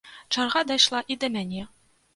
Чарга дайшла і да мяне.